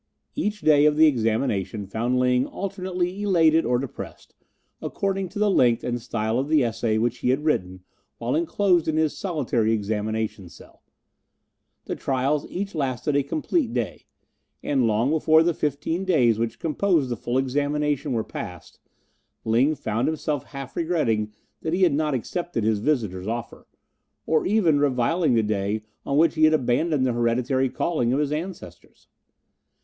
Each day of the examination found Ling alternately elated or depressed, according to the length and style of the essay which he had written while enclosed in his solitary examination cell. The trials each lasted a complete day, and long before the fifteen days which composed the full examination were passed, Ling found himself half regretting that he had not accepted his visitor's offer, or even reviling the day on which he had abandoned the hereditary calling of his ancestors.